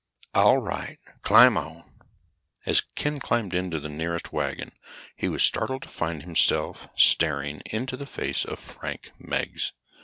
"All right. Climb on." As Ken climbed into the nearest wagon he was startled to find himself staring into the face of Frank Meggs.